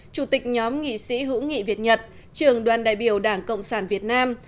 chủ tịch nhóm nghị sĩ hữu nghị việt nhật trường đoàn đại biểu đảng cộng sản việt nam